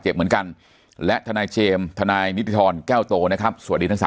เหมือนกันและทนายเจมส์ทนายนิติธรแก้วโตนะครับสวัสดีทั้ง๓